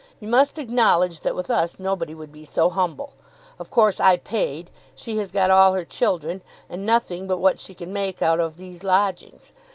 You must acknowledge that with us nobody would be so humble. Of course I paid. She has got all her children, and nothing but what she can make out of these lodgings.